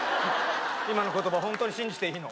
今の言葉ホントに信じていいの？